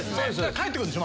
帰って来るんでしょ？